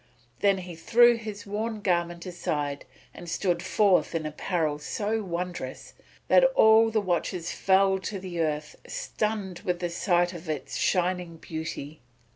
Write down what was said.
Then he threw his worn garment aside and stood forth in apparel so wondrous that all the watchers fell to the earth, stunned with the sight of its shining beauty.